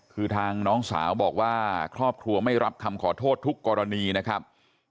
คือทางน้องสาวบอกว่าครอบครัวไม่รับคำขอโทษทุกกรณีนะครับ